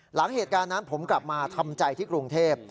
หลังเหตุการณ์นั้นผมกลับมาทำใจที่กรุงเทพฯ